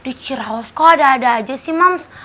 di cirewas kok ada ada aja sih moms